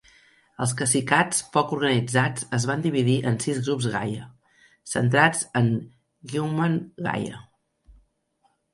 Els cacicats poc organitzats es van dividir en sis grups Gaya, centrats en Geumgwan Gaya.